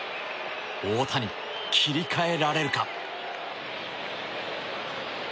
大谷、切り替えられるか。